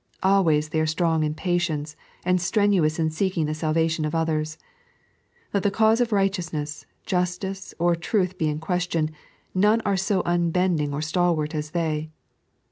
Always they are strong in patience, and strenuous in seeking the salvation of others. Let the cause of righteousness, justice, or truth be in question, none are so unbending or stalwart as they.